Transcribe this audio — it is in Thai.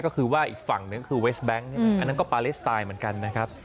ก็คือว่าอีกฝั่งนึงคือเวสแบงค์อันนั้นก็ปาเลสไตล์เหมือนกันนะครับ